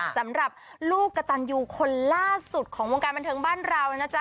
สำหรับลูกกระตันยูคนล่าสุดของวงการบันเทิงบ้านเรานะจ๊